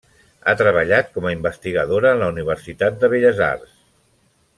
Ha treballat com a investigadora en la Universitat de Belles Arts.